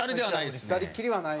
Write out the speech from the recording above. ２人きりはない？